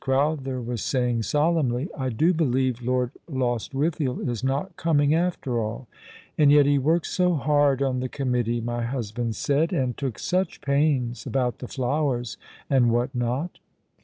Crowther was saying solemnly, " I do believe Lord Lostwithiel is not coming after all, and yet he worked so hard on the committee, my husband said, and took such pains about the flowers, and what not."